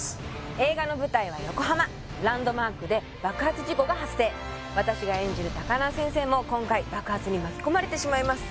映画の舞台は横浜ランドマークで爆発事故が発生私が演じる高輪先生も今回爆発に巻き込まれてしまいます